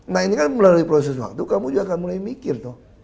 nah ini kan melalui proses waktu kamu juga akan mulai mikir tuh